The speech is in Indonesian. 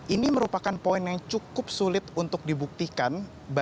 ini merupakan poin yang cukup sulit untuk dibuktikan